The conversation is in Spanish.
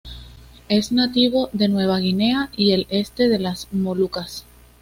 Es nativo de Nueva Guinea y el este de las Molucas.